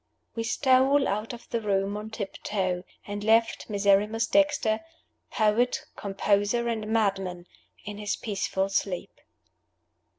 We stole out of the room on tiptoe, and left Miserrimus Dexter poet, composer, and madman in his peaceful sleep.